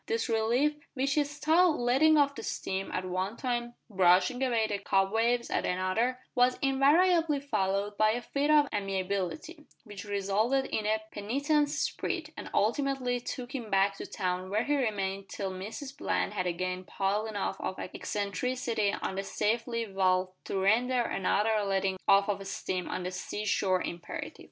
This relief, which he styled "letting off the steam" at one time, "brushing away the cobwebs" at another, was invariably followed by a fit of amiability, which resulted in a penitent spirit, and ultimately took him back to town where he remained till Mrs Bland had again piled enough of eccentricity on the safety valve to render another letting off of steam on the sea shore imperative.